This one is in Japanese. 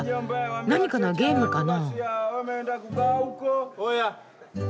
何かのゲームかな？